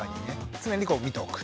常に見ておく。